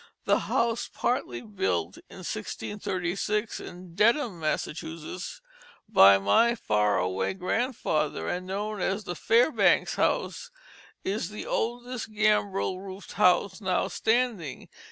The house partly built in 1636 in Dedham, Massachusetts, by my far away grandfather, and known as the Fairbanks House, is the oldest gambrel roofed house now standing.